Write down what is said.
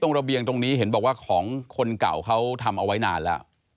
ระเบียงตรงนี้เห็นบอกว่าของคนเก่าเขาทำเอาไว้นานแล้ว